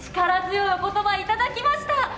力強いお言葉いただきました。